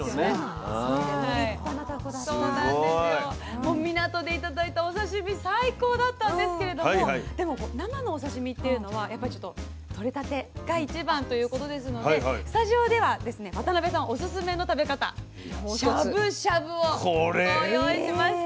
もう港で頂いたお刺身最高だったんですけれどもでも生のお刺身っていうのはとれたてが一番ということですのでスタジオではですね渡辺さんオススメの食べ方しゃぶしゃぶをご用意しました。